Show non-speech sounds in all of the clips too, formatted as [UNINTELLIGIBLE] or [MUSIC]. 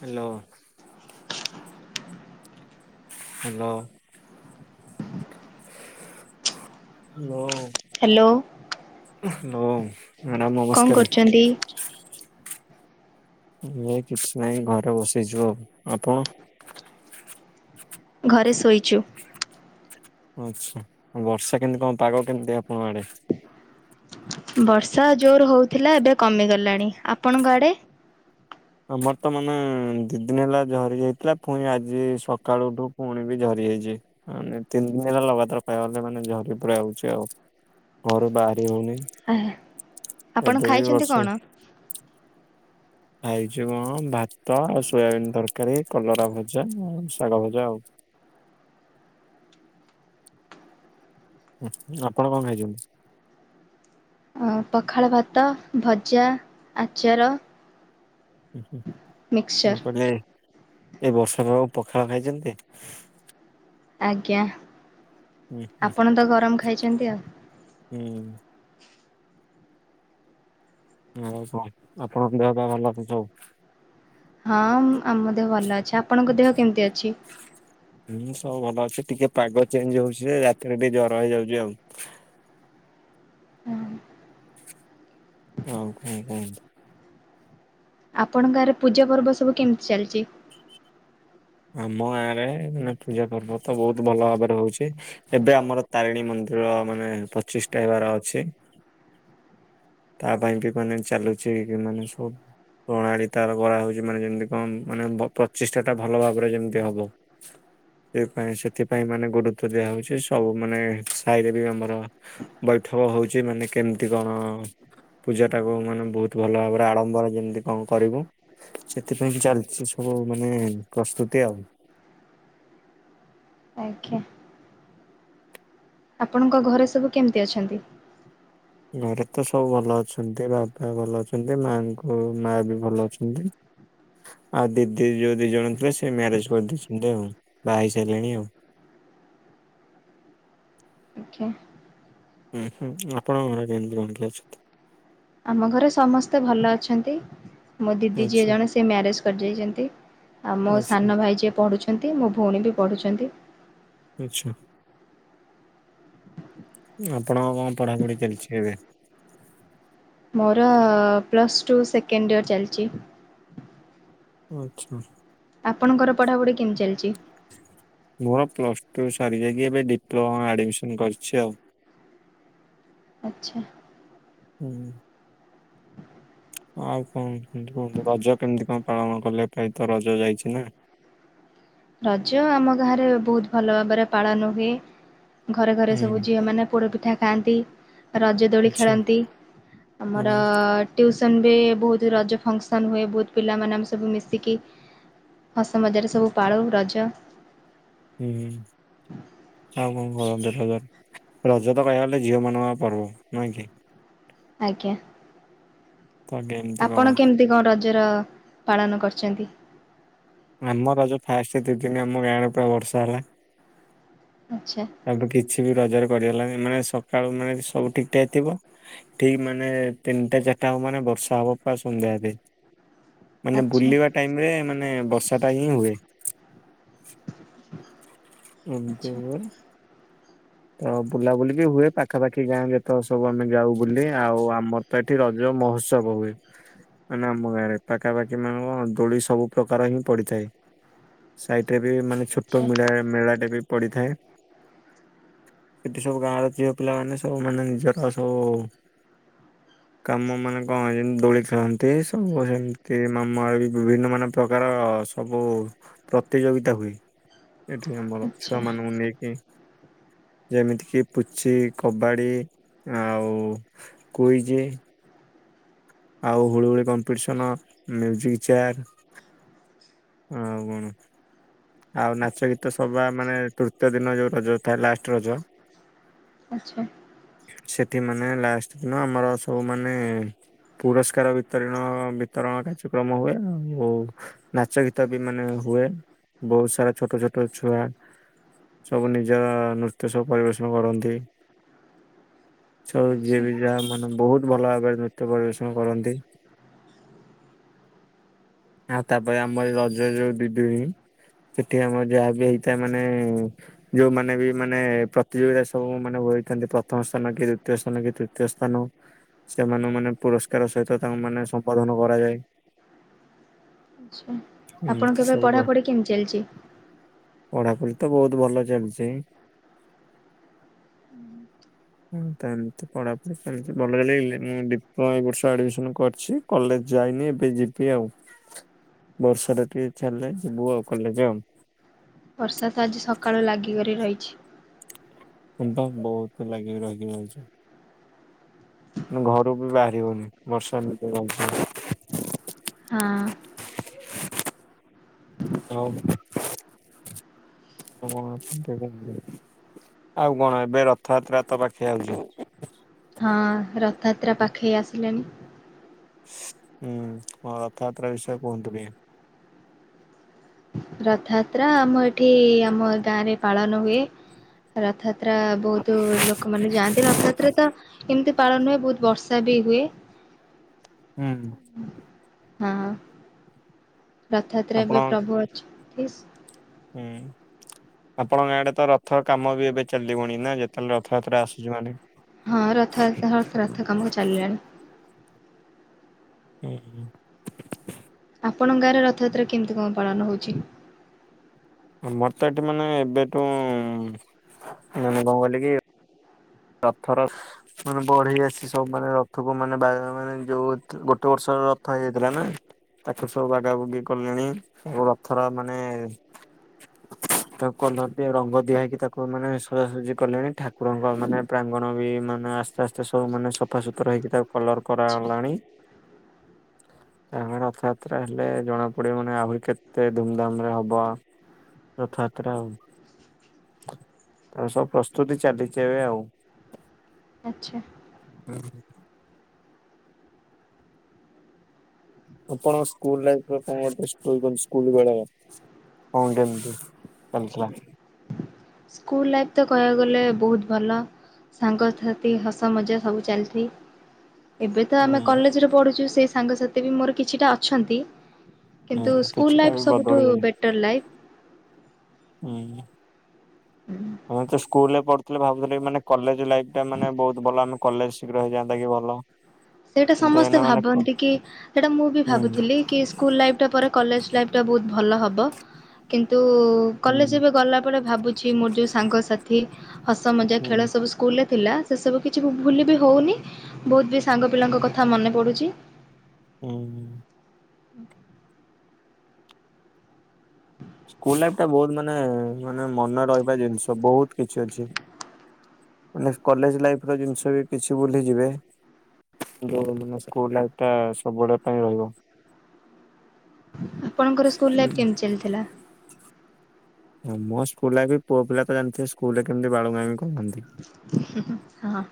Hello. Hello. Hello. Hello. Hello. କଣ କରୁଚନ୍ତି। ନାଇଁ କିଛି ନାଇଁ ଘରେ ବସିଛୁ ଆଉ, ଆପଣ? ଘରେ ଶୋଇଚୁ। ଆଚ୍ଛା ବର୍ଷା କେମିତି କଣ ପାଗ କେମିତି ଆପଣଙ୍କ ଆଡେ? ବର୍ଷା ଜୋର ହଉଥିଲା ଏବେ କମିଗଲାଣି, ଆପଣଙ୍କ ଆଡେ? ଆମର ତ ମାନେ ଦି ଦିନ ହେଲା ଝରି ଯାଇଥିଲା, ପୁଣି ଆଜି ସକାଳଠୁ ପୁଣି ବି ଝରି ଯାଇଛି। ମାନେ ତିନି ଦିନ ହେଲା ଲଗାତାର କହିବାକୁ ଗଲେ ମାନେ ଝରି ପୁରା ହଉଛି ଆଉ। ଘରୁ ବାହାରି ହଉନି। ଆହେ ଆପଣ ଏବେ ବି ଖାଇଛନ୍ତି ବର୍ଷା କଣ? ଖାଇଛି ମୁଁ ଭାତ ଆଉ ସୋୟାବିନ୍ ତରକାରୀ, କଲରା ଭଜା ଆଉ ଶାଗ ଭଜା ଆଉ। ଆପଣ କଣ ଖାଇଚନ୍ତି? ପଖାଳ ଭାତ, ଭଜା, ଆଚାର ହୁଁ ମୁଁ ମିକ୍ସଚର୍ କହିଲି ଏଇ ବର୍ଷା ପାଗ ପଖାଳ ଖାଇଛନ୍ତି? ଆଜ୍ଞା ହୁଁ ହୁଁ ଆପଣ ତ ଗରମ ଖାଇଛନ୍ତି ଆଉ। ହୁଁ। ଆଉ କଣ ଆପଣଙ୍କ ଦେହ ପେହ ଭଲ ଅଛି ସବୁ? ହଁ ଆମ ଦେହ ଭଲ ଅଛି, ଆପଣଙ୍କ ଦେହ କେମିତି ଅଛି? ହୁଁ ସବୁ ଭଲ ଅଛି ଟିକେ ପାଗ ଚେଞ୍ଜ ହଉଛି ଯେ ରାତିରେ ଟିକେ ଜର ହେଇଯାଉଛି ଆଉ। ହଁ। [UNINTELLIGIBLE] ଆପଣଙ୍କ ଗାଁରେ ପୂଜା ପର୍ବ ସବୁ କେମିତି ଚାଲିଛି? ଆମ ଗାଁ ରେ ମାନେ ପୂଜା ପର୍ବ ତ ବହୁତ ଭଲ ଭାବରେ ହଉଛି। ଏବେ ଆମର ତାରିଣୀ ମନ୍ଦିର ମାନେ ପ୍ରତିଷ୍ଠା ହେବାର ଅଛି। ତା ପାଇଁ ବି ମାନେ ଚାଲୁଛି କି ମାନେ ସବୁ ପ୍ରଣାଳୀ ତାର କରାହେଉଛି ମାନେ ଯେମିତି କଣ ମାନେ ପ୍ରତିଷ୍ଠା ଟା ଭଲ ଭାବରେ ଯେମିତି ହବ। ସେପାଇଁ ସେଥିପାଇଁ ମାନେ ଗୁରୁତ୍ୱ ଦିଆ ହଉଛି ସବୁ ମାନେ ସାହିରେ ବି ଆମର ବୈଠକ ହଉଛି ମାନେ କେମିତି କଣ? ପୂଜାଟାକୁ ମାନେ ବହୁତ ଭଲ ଭାବରେ ଆଡ଼ମ୍ବରେ ଯେମିତି କଣ କରିବୁ। ସେଥିପାଇଁ କି ଚାଲିଛି ସବୁ ମାନେ ପ୍ରସ୍ତୁତି ଆଉ। ଆଜ୍ଞା। ଆପଣଙ୍କ ଘରେ ସବୁ କେମିତି ଅଛନ୍ତି? ଘରେ ତ ସବୁ ଭଲ ଅଛନ୍ତି, ବାପା ଭଲ ଅଛନ୍ତି, ମାଙ୍କୁ ମା ବି ଭଲ ଅଛନ୍ତି। [INAUDIBLE] ଆଉ ଦିଦି ଯୋଉ ଦି ଜଣ ଥିଲେ ସେ ମ୍ୟାରେଜ କରିଦେଇଛନ୍ତି ଆଉ ବାହାହେଇ ସାରିଲେଣି ଆଉ। ଓେ [INAUDIBLE] ହୁଁ ହୁଁ ଆପଣଙ୍କର କେମିତି କଣ କି ଅଛନ୍ତି? ଆମ ଘରେ ସମସ୍ତେ ଭଲ ଅଛନ୍ତି ମୋ ଦିଦି ଯିଏ ଆଚ୍ଛା ଜଣେ ସେ ମ୍ୟାରେଜ କରି ଯାଇଛନ୍ତି। ଆଉ ମୋ ଆଚ୍ଛା ସାନ ଭାଇ ଯିଏ ପଢ଼ୁଛନ୍ତି ମୋ ଭଉଣୀ ବି ପଢ଼ୁଛନ୍ତି। ଆଚ୍ଛା। ଆପଣ ଆଉ କଣ ପଢାପଢି ଚାଲିଛି ଏବେ? ମୋର ପ୍ଲସ୍ ଟୁ ସେକେଣ୍ଡ ଇୟର ଚାଲିଛି। ଆଚ୍ଛା। ଆପଣଙ୍କର ପଢ଼ାପଢି କେମିତି ଚାଲିଛି? ମୋର ପ୍ଲସ୍ ଟୁ ସାରିଯାଇକି ଏବେ ଡିପ୍ଲୋମା ଆଡ଼ମିସନ କରିଛି ଆଉ। [INAUDIBLE] ଆଚ୍ଛା। ହୁଁ [INAUDIBLE] ଆଉ କଣ କୁହନ୍ତୁ ରଜ କେମିତି କଣ ପାଳନ? କଲେ ଏବେତ ରଜ ଯାଇଛି ନା। ରଜ ଆମ ଗାଁରେ ବହୁତ ଭଲ ଭାବରେ ପାଳନ ହୁଏ। ଘରେ ଘରେ ସବୁ ହୁଁ ଝିଅମାନେ ପୋଡ଼ପିଠା ଖାଆନ୍ତି। ରଜଦୋଳି ଆଚ୍ଛା। ଖେଳନ୍ତି ଆମର ହୁଁ ଟ୍ୟୁସନ ବି ବହୁତ ରଜ ଫଙ୍କସନ ହୁଏ ବହୁତ ପିଲାମାନେ ଆମେ ସବୁ ମିଶିକି ହସ ମଜାରେ ସବୁ ପାଳୁ ରଜ। ହୁଁ ହୁ। ଆଉ କଣ କରନ୍ତେ ରଜରେ ରଜ ତ କହିବାକୁ ଗଲେ ଝିଅ ମାନଙ୍କ ପର୍ବ ନୁହେଁ କି? ଆଜ୍ଞା। ତ କେମିତି କଣ ଆପଣ କେମିତି କଣ ରଜର ପାଳନ କରିଛନ୍ତି? ଆମର ରଜ ଫାଷ୍ଟ ଦିଦିନି ଆମ ଗାଁରେ ପୁରା ବର୍ଷା ହେଲା। ଆଚ୍ଛା। ତାପରେ କିଛି ବି ରଜରେ କରିହେଲାନି ମାନେ ସକାଳୁ ମାନେ ସବୁ ଠିକ୍ ଠାକ ଥିବ ଠିକ୍ ମାନେ ତିନିଟା ଚାରିଟା ହବ ମାନେ ବର୍ଷା ହବ ପା ସନ୍ଧ୍ୟା ଯାଏ। ମାନେ ଆଚ୍ଛା ବୁଲିବା ଟାଇମରେ ମାନେ ବର୍ଷାଟା ହିଁ ହୁଏ। ଏବେ ଆଚ୍ଛା କୋଉଠି? [INAUDIBLE] ତ ବୁଲାବୁଲି ବି ହୁଏ ପାଖାପାଖି ଗାଁ ଯେତକ ସବୁ ଆମେ ଯାଉ ବୁଲି ଆଉ ଆମର ତ ଏଠି ରଜ ମହୋତ୍ସବ ହୁଏ। ମାନେ ଆମ ଗାଁରେ ପାଖାପାଖି ମ୍ୟାମ ଦୋଳି ସବୁ ପ୍ରକାର ହିଁ ପଡିଥାଏ। ସାଇଟରେ ବି ମାନେ ଛୋଟ ଆଚ୍ଛା ମେଳା ମେଳାଟେ ବି ପଡିଥାଏ। ଏଠି ସବୁ ଗାଁର ଝିଅ ପିଲାମାନେ ସବୁ ମାନେ ନିଜର ସବୁ କାମ ମାନେ କଣ ଯେମତି ଦୋଳି ଖେଳନ୍ତି ସବୁ ଯେନ୍ତି ମାମା ବି ବି ଭିନ୍ନ ଭିନ୍ନ ପ୍ରକାର ସବୁ ପ୍ରତିଯୋଗିତା ହୁଏ ଏଠି ଆମର ଆଚ୍ଛା ଛୁଆମାନୁଙ୍କୁ ନେଇକି ଯେମିତି କି ପୁଚି, କବାଡି ଆଉ କୁଇଜ। ଆଉ ହୁଳ ହୁଳି କମ୍ପିଟିସନ ମ୍ୟୁଜିକ୍ ଚେୟାର୍ ଆଉ କଣ? ଆଉ ନାଚ ଗୀ ତ ସବା ମାନେ ତୃତୀୟ ଦିନ ଯୋଉ ରଜ ଥାଏ ଲାଷ୍ଟ ରଜ ଆଚ୍ଛା ସେଠି ମାନେ ଲାଷ୍ଟ ଦିନ ଆମର ସବୁ ମାନେ ପୁରସ୍କାର ବିତରିଣ ବିତରଣ କାର୍ଯ୍ୟକ୍ରମ ହୁଏ ଆଉ ନାଚ ଗୀତବି ମାନେ ହୁଏ ବହୁତ୍ ସାରା ଛୋଟ ଛୋଟ ଛୁଆ ସବୁ ନିଜ ନୃତ୍ୟ ସବୁ ପରିବେଷଣ କରନ୍ତି। ସବୁ ଆଚ୍ଛା ଯିଏବି ଯାହା ମାନେ ବହୁତ୍ ଭଲ ଭାବରେ ନୃତ୍ୟ ପରିବେଷଣ କରନ୍ତି। ଆଉ ତାପରେ ଆମର ରଜରେ ଯୋଉ ଦି ଦିନ ସେଠି ଆମର ଯାହାବି ହେଇଥାଏ ମାନେ ଯୋଉମାନେବି ମାନେ ପ୍ରତିଯୋଗିତା ସବୁ ମାନେ ହୋଇଥାନ୍ତି ପ୍ରଥମ ସ୍ଥାନ କିଏ ଦୁତୀୟ ସ୍ଥାନ କିଏ ତୃ ଦିତୀୟ ସ୍ଥାନ ସେମାନଙ୍କୁ ମାନେ ପୁରସ୍କାର ସହିତ ତାଙ୍କୁ ମାନେ ସମ୍ପାଦନ କରାଯାଏ। [INAUDIBLE] ଆଚ୍ଛା ଏମିତି ଆପଣଙ୍କ ଏବେ ସବୁ ପଢାପଢି କେମିତି ଚାଲିଚି? ପଢାପଢିତ ବହୁତ୍ ଭଲ ଚାଲିଚି। ହଁ ତ ଏମିତି ପଢାପଢି ସେମିତି ଭଲ ଇଲେ ଇଲେ ମୁଁ ଡିପ୍ଲୋମା ଏ ବର୍ଷ ଆଡ଼ମିଶନ କରିଛି କଲେଜ୍ ଯାଇନି ଏବେ ଯିବି ଆଉ ବର୍ଷାଟା ଟିକେ ଛାଡ଼ିଲେ। ଯିବୁ ଆଉ କଲେଜ୍। ବର୍ଷାତ ଆଜି ସକାଳୁ ଲାଗିିକରି ରହିଚି। ହୁଁବା ବହୁତ୍ ଲାଗିକି ରହିକି ରହିଚି। ଘରୁବି ବାହାରି ହଉନି ବର୍ଷା ଏମିତି [UNINTELLIGIBLE] ହଁ। ହଉ [UNINTELLIGIBLE] ଆଉ କଣ ଏବେ ରଥଯାତ୍ରାତ ପାଖେଇ ଆଉଚି। ହଁ ରଥଯାତ୍ରା ପାଖେଇ ଆସିଲାଣି। ହୁଁ ହଁ ରଥଯାତ୍ରା ବିଷୟରେ କୁହନ୍ତୁ ଟିକେ? ରଥଯାତ୍ରା ଆମ ଏଠି ଆମ ଗାଁରେ ପାଳନ ହୁଏ। ରଥଯାତ୍ରା ବହୁତ୍ ଲୋକମାନେ ଯାଆନ୍ତି ରଥଯାତ୍ରାତ ଏମିତି ପାଳନ ହୁଏ ବହୁତ୍ ବର୍ଷାବି ହୁଏ। ହୁଁ। ହଁ। ରଥଯାତ୍ରା ଆପଣ ଏବେ ପ୍ରଭୁ ଅଛନ୍ତି। ହୁଁ। ଆପଣଙ୍କ ଗାଁ ଆଡ଼େତ ରଥ କାମବି ଏବେ ଚାଲିବଣି ନା ଯେତେବେଳେ ରଥଯାତ୍ରା ଆସୁଚି ମାନେ? ହଁ ରଥ ରଥ ରଥ କାମ ଚାଲିଲାଣି। ଉଁ ହୁଁ। ଆପଣଙ୍କ ଗାଁରେ ରଥଯାତ୍ରା କେମିତି କଁ ପାଳନ ହଉଚି? ଆମରତ ଏଠି ମାନେ ଏବେଠୁ ମାନେ କଁ କହିଲେ କି ରଥର ମାନେ ବଢେଇ ଆସି ସବୁ ମାନେ ରଥକୁ ମାନେ [UNINTELLIGIBLE] ଯୋଉ ଗୋଟେ ବର୍ଷର ରଥ ହେଇ ଯାଇଥିଲାନା। ତାକୁ ସବୁ ବାଗାବୁଗି କଲେଣି ରଥର ମାନେ ତାକୁ କଲର୍ ଦିଆ ରଙ୍ଗ ଦିଆ ହେଇକି ମାନେ ସଜାସଜି କଲେନି ଠାକୁରଙ୍କୁ ମାନେ ପ୍ରାଙ୍ଗଣବି ମାନେ ଆସ୍ତେ ଆସ୍ତେ ସବୁ ମାନେ ସଫା ସୁତୁରା ହେଇକି ତାକୁ କଲର୍ କରା ଆଚ୍ଛା ହେଲାଣି [INAUDIBLE] ତାପରେ ରଥଯାତ୍ରା ହେଲେ ଜଣା ପଡ଼ିବ ମାନେ ଆହୁରି କେତେ ଧୂମଧାମରେ ହବ। ରଥଯାତ୍ରା ଆଉ [INAUDIBLE] ତାପରେ ସବୁ ପ୍ରସ୍ତୁତି ଚାଲିଚି ଏବେ ଆଉ। ଆଛା। [UNINTELLIGIBLE] ଆପଣ ସ୍କୁଲ୍ ଲାଇଫରେ କଣ କରିଥିଲେ ସ୍କୁଲ୍ ଷ୍ଟୋରି ସ୍କୁଲ୍ ବେଳେ? କଣ କେମିତି ଚାଲିଥିଲା? ସ୍କୁଲ ଲାଇଫ ତ କହିବାକୁ ଗଲେ ବହୁତ ଭଲ। ସାଙ୍ଗସାଥୀ ହସ ମଜା ସବୁ ଚାଲିଚି। ଏବେ ତ ହୁଁ ଆମେ କଲେଜ ରେ ପଢ଼ୁଛୁ ସେଇ ସାଙ୍ଗ ସାଥିବି ମୋର କିଛି ଟା ଅଛନ୍ତି। ହୁଁ କିନ୍ତୁ ସ୍କୁଲ୍ କିଛିଟା ବି ଲାଇପି ସବୁଠୁ ବଦଳି ବେଟର ଲାଇଫି। ଉଁ ହୁଁ। [UNINTELLIGIBLE] ମୁଁ ତ ସ୍କୁଲରେ ପଢ଼ୁଥିଲି ଭାବୁଥିଲି ମାନେ କଲେଜ ଲାଇଫ ଟା ମାନେ ବହୁତ ଭଲ ଆମେ କଲେଜ ଶୀଘ୍ର ହେଇଯାଆନ୍ତା କି ଭଲ। [INAUDIBLE] ସେଇଟା ସମସ୍ତେ ଏଇନା ମାନେ କ ଭାବନ୍ତି କି ସେଇଟା ମୁଁ ବି ହୁଁ। ଭାବୁଥିଲି କି ସ୍କୁଲ ଲାଇଫ ଟା ପରେ କଲେଜ୍ ଲାଇଫ ଟା ବହୁତ ଭଲ ହେବ କିନ୍ତୁ ହୁଁ କଲେଜ ଏବେ ଗଲା ପରେ ଭାବୁଛି ମୋର ଯୋଉ ସାଙ୍ଗସାଥୀ ହସ ମଜା ହୁଁ ଖେଳ ସବୁ ସ ସ୍କୁଲ୍ ରେ ଥିଲା ସେ ସବୁ କିଛି ବି ଭୁଲି ବି ହେଉନି ବହୁତ ବି ସାଙ୍ଗପିଲାଙ୍କ କଥା ମନେ ପଡୁଛି। ହୁଁ। [INAUDIBLE] ସ୍କୁଲ୍ ଲାଇଫ ଟା ବହୁତ ମାନେ ମାନେ ମନେ ରହିବା ଜିନିଷ ବହୁତ୍ କିଛି ଅଛି। ମାନେ କଲେଜ୍ ଲାଇଫର ଜିନିଷ ବି କିଛି ଭୁଲିଯିବେ। [UNINTELLIGIBLE] ସ୍କୁଲ୍ ଲାଇଫ ଟା ସବୁ ବେଳେ ପାଇଁ ରହିବ। ଆପଣଙ୍କର ସ୍କୁଲ୍ ରେ କେମିତି ଚାଲିଥିଲା? ମୋ ସ୍କୁଲ୍ ଲାଇଫ ପୁଅ ପିଲା ତ ଜାଣିଥିବେ ସ୍କୁଲ୍ ରେ କେମିତି ବାଳୁଙ୍ଗାମି କରନ୍ତି। ହୁଁ ହୁଁ ହଁ।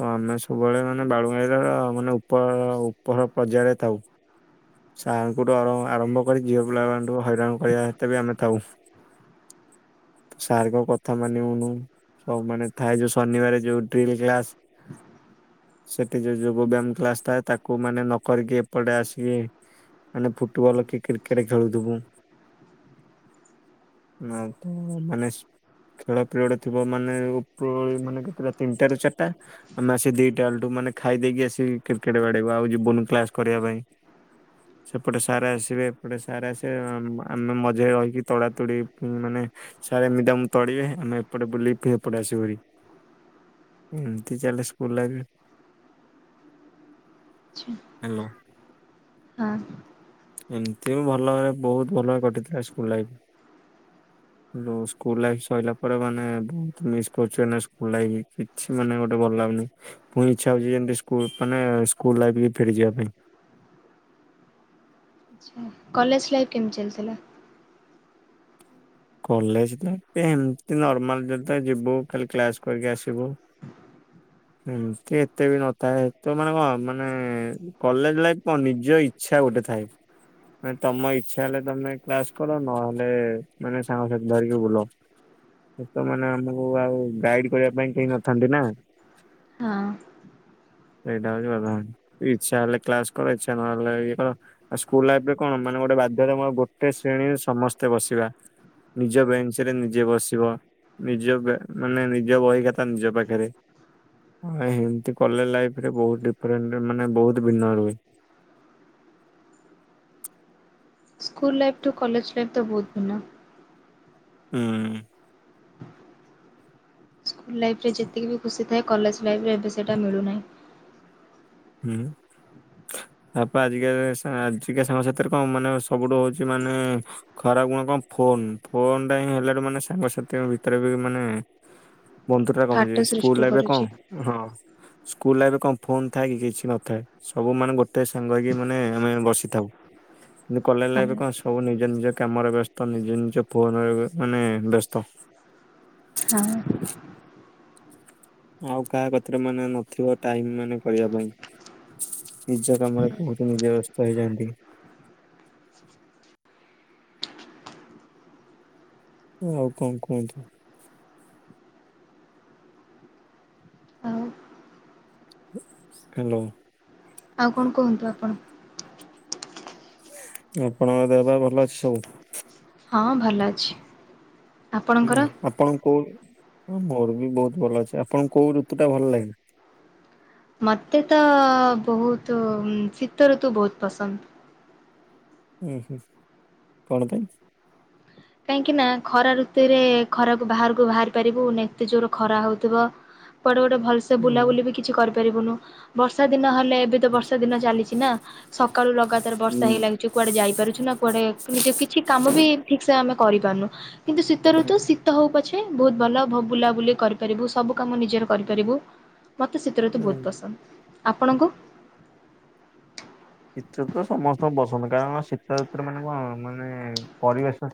ତ ଆମେ ସବୁ ବେଳେ ମାନେ ବାଳୁଙ୍ଗାମୀ ର ମାନେ ଉପର ଉପର ପର୍ଯ୍ୟାୟ ରେ ଥାଉ। ସାରଙ୍କଠୁ ଆରମ୍ଭ କରି ଝିଅ ପିଲାଙ୍କ ଠୁ ହୋଇରାଣ କରିବା ଭିତରେ ବି ଆମେ ଥାଉ। ସାର୍ ଙ୍କ କଥା ମାନିବୁନୁ। ସବୁ ମାନେ ଥାଏ ଯୋଉ ଶନିବାର ଡ୍ରିଲ୍ କ୍ଲାସ। ସେଠୀ ଯୋଉ ଯୋଗ ବ୍ୟାୟାମ କ୍ଲାସ୍ ଥାଏ ତାକୁ ମାନେ ନ କରିକି ଏପଟେ ଆସିମି। ମାନେ ଫୁଟବଲ୍ କି କ୍ରିକେଟ ଖେଳୁଥିବୁ। [UNINTELLIGIBLE] ଖେଳ ପିରିୟଡ଼ ଥିବ ମାନେ ଉପରଉଳି ମାନେ କେତେଟା ତିନିଟା ରୁ ଚାରିଟା। ଆମେ ଆସି ଦିଇଟା ବେଳଠୁ ମାନେ ଖାଇ ଦେଇକି ଆସିକି କ୍ରିକେଟ ବାଡେଇବୁ ଆଉ ଯିବୁନୁ କ୍ଲାସ୍ କରିବା ପାଇଁ। ସେପଟ ସାର୍ ଆସିବେ ଏପଟେ ସାର୍ ଆସିବେ ଆମେ ମଝିରେ ରହିକି ତଡା ତୁଡି ମାନେ ସାର ଏମିତି ଆମକୁ ତଡିବେ ଆମେ ଏପଟେ ବୁଲିକି ହେପଟେ ଆସିବୁ ହାରି। ଏମିତି ଚାଲେ ସ୍କୁଲ ଲାଇଫି। ହାଲୋ [UNINTELLIGIBLE] ଏମତି ଭଲରେ ବହୁତ୍ ଭଲରେ କଟିଥିଲା school life. School life ସରିଲା ପରେ ମାନେ ବହୁତ୍ ମିସ୍ କରୁଛି ମାନେ ସ୍କୁଲ ଲାଇଫ କିଛି ମାନେ ଗୋଟେ ଭଲ ଲାଗୁନି। ପୁଣି ଇଚ୍ଛା ହେଉଛି ଏମତି ସ୍କୁଲ ମାନେ ସ୍କୁଲ୍ ଲାଇଫି କି ଫେରି ଯିବା ପାଇଁ। ଆଛା କଲେଜ୍ ଲାଇଫ କେମିତି ଚାଲିଥିଲା? କଲେଜ ତ ଏମତି ନର୍ମାଲ ଯେତେ ଯିବୁ ଖାଲି କ୍ଲାସ୍ କରିକି ଆସିବୁ। [INAUDIBLE] ଏମତି ଏତେ ବି ନଥାଏ ତେ ମାନେ କଣ ମାନେ କଲେଜ ଲାଇଫ କଣ ନିଜ ଇ ଇଛା ଗୋଟେ ଥାଏ ମାନେ ତମ ଇଛା ହେଲେ ତମେ କ୍ଲାସ କର ନହେଲେ ନନେ ସାଙ୍ଗସାଥି ଧରିକି ବୁଲ। ସେ ତ ମାନେ ଆମକୁ ଆଉ ଗାଇଡି କରିବା ପାଇଁ କେହି ନଥାନ୍ତିନା। [INAUDIBLE] ସେଇଟା ହଉଛି ବାଧା ଇଛା ହେଲେ କ୍ଲାସ କର ଇଛା ନହଲେ ନାଇଁ ଇଏ କର। ଆଉ ସ୍କୁଲ ଲାଇଫରେ କଣ ମାନେ ଗୋଟେ ବାଧ୍ୟତାମୂଳକ ଗୋଟେ ଶ୍ରେଣୀରେ ସମସ୍ତେ ବସିବା। ନିଜ ବେଞ୍ଚରେ ନିଜ ବସିବ। ନିଜ ଵ୍ୟା ମାନେ ନିଜ ବହି ଖାତା ନିଜ ପାଖରେ। ହଁ, ଏମତି କଲେଜ ଲାଇଫରେ ବହୁତ ଡିଫରେଣ୍ଟ ମାନେ ବହୁତ ଭିନ୍ନ ରୁହେ। ସ୍କୁଲ ଲାଇଫଟୁ କଲେଜ ଲାଇଫ୍ ତ ବହୁତ ଭଲ। ହୁଁ। ସ୍କୁଲ୍ ଲାଇଫରେ ଯେତିକି ବି ଖୁସି ଥାଏ କଲେଜ ଲାଇଫରେ ଏବେ ସେଇଟା ମିଳୁନାହିଁ। ହୁଁ। ତାପରେ ଆଜିକା ଆଜିକା ସାଙ୍ଗ ସାଥିରେ କଣ ମାନେ ସବୁଠୁ ହଉଛି ମାନେ ଖରାପ ଗୁଣ କଣ ଫୋନ ଫୋନଟା ହିଁ ହେଲେ ମାନେ ସାଙ୍ଗସାଥିଙ୍କ ଭିତରେ ବି ମାନେ ବନ୍ଧୁତା ଫାଟ କମଯାଇଛି ସ୍କୁଲ ସୃଷ୍ଟି ଲାଇଫରେ କଣ କରୁଛି। ହଁ ସ୍କୁଲ ଲାଇରେ କଣ ଫୋ ଥାଏ କି କିଛି ନଥାଏ ସବୁ ମାନେ ଗୋଟେ ସାଙ୍ଗ ହେଇକି ମାନେ ଆମେ ବସିଥାଉ। କିନ୍ତୁ କଲେଜ ହଁ ଲାଇଫରେ କଣ ସବୁ ନିଜ ନିଜ କାମରେ ବ୍ୟସ୍ତ ନିଜ ନିଜ ଫୋନ ମାନେ ବ୍ୟସ୍ତ। ହଁ, ହିଁ, ହିଁ। ଆଉ କାହା କତୀରେ ମାନେ ନଥିବ ଟାଇମ ମାନେ କରିବା ପାଇଁ ନିଜ କାମରେ ବହୁତ ନିଜେ ବ୍ୟସ୍ତ ହେଇଯାନ୍ତି। ଆଉ କଣ କୁହନ୍ତୁ? ଆଉ ଧନ୍ୟବାଦ୍। ଆଉ କଣ କୁହନ୍ତୁ ଆପଣ? ଆପଣଙ୍କ ଦେହ ପା ଭଲ ଅଛି ସବୁ। ହଁ, ଭଲ ଅଛି। ଆପଣଙ୍କର? ହୁଁ, ଆପଣଙ୍କୁ ମୋର ବି ବହୁତ ଭଲ ଅଛି। ଆପଣଙ୍କୁ କୋଉ ଋତୁଟା ଭଲ ଲାଗେ? ମତେ ତ ବହୁତ ଶୀତଋତୁ ବହୁତ ପସନ୍ଦ। ଉଁ, ହୁଁ କଣ ପାଇଁ? କାହିଁକି ନା ଖରା ଋତୁରେ ଖରାକୁ ବାହାରକୁ ବାହାରି ପାରିବୁ ନା ଏତେ ଜୋରେ ଖରା ହଉଥିବ। କୁଆଡେ ଗୋଟେ ଭଲସେ ସେ ଉଁ ବୁଲାବୁଲି ବି କିଛି କରିପାରିବୁନୁ ବର୍ଷା ଦିନ ହେଲେ ଏବେ ତ ବର୍ଷା ଦିନ ଚାଲିଛି ନା। ସକାଳୁ ଲଗାତାର ବର୍ଷା ହେଇ ହୁଁ। ଲାଗୁଛି କୁଆଡେ ଯାଇପାରୁଛୁ ନା କୁଆଡେ କିଛି କାମ ବି ଠିକ୍ ସେ ଆମେ କରିପାରୁନୁ କିନ୍ତୁ ଶୀତ ଋତୁ ଶୀତ ହଉ ପଛେ ବହୁତ୍ ଭଲ ବୁଲାବୁଲି କରିପାରିବୁ ସବୁ କାମ ନିଜର କରିପାରିବୁ। ମୋତେ ଶୀତ ଋତୁ ବହୁତ ହୁଁ। ପସନ୍ଦ ଆପଣଙ୍କୁ? ଶୀତଋତୁ ସମସ୍ତଙ୍କୁ ପସନ୍ଦ କାରଣ ଶୀତଋତୁରେ ମାନେ କ ମାନେ ପରିବେଶ।